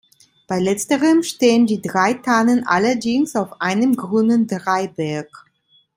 Bei letzterem stehen die drei Tannen allerdings auf einem grünen Dreiberg.